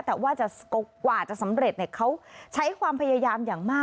แต่ว่ากว่าจะสำเร็จเขาใช้ความพยายามอย่างมาก